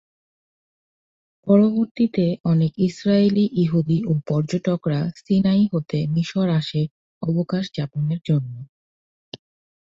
পরবর্তীতে অনেক ইসরাইলী ইহুদি ও পর্যটকরা সিনাই হতে মিশর আসে অবকাশ যাপনের জন্য।